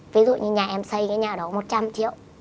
ví dụ như nhà em xây cái nhà đó một trăm linh triệu